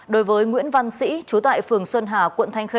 đối với nguyễn văn sĩ trú tại phường xuân hà quận thanh khê